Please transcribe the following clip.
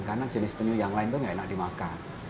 karena jenis penyu yang lain itu enak dimakan